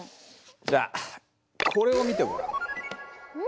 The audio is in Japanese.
じゃあこれを見てごらん。